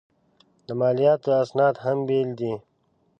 د مالیاتو اسناد هم بېل دي.